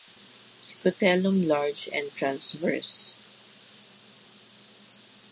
Scutellum large and transverse.